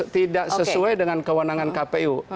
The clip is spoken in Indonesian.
tidak sesuai dengan kewenangan kpu